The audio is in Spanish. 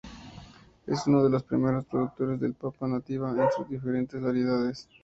Es uno de los primeros productores de papa nativa, en sus diferentes variedades.